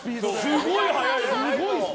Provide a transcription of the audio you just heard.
すごい速いの。